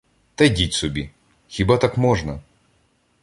— Та йдіть собі! Хіба так можна?!